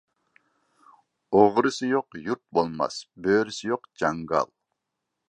ئوغرىسى يوق يۇرت بولماس، بۆرىسى يوق جاڭگال.